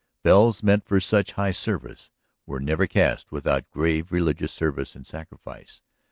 Bells meant for such high service were never cast without grave religious service and sacrifice.